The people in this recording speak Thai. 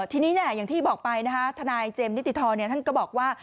ทีนี้อย่างที่บอกไปนะคะทนายเจมส์นิติธรท่านก็บอกว่า